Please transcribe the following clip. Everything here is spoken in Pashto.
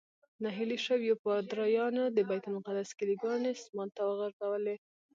نهیلي شویو پادریانو د بیت المقدس کیلي ګانې اسمان ته وغورځولې.